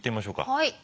はい。